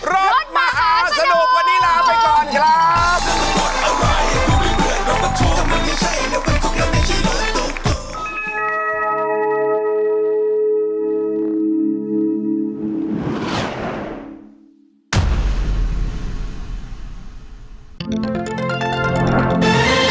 รถมหาสนุกวันนี้ลาไปก่อนครับ